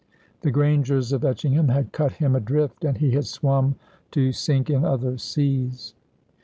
The Grangers of Etchingham had cut him adrift and he had swum to sink in other seas.